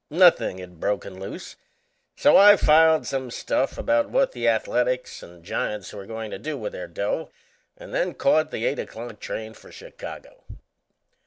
Nothing had broken loose; so I filed some stuff about what the Athletics and Giants were going to do with their dough, and then caught the eight o'clock train for Chicago.